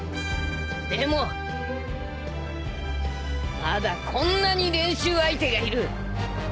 でもまだこんなに練習相手がいる。